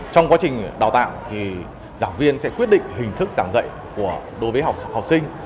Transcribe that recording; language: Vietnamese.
trong quá trình đào tạo thì giảng viên sẽ quyết định hình thức giảng dạy đối với học sinh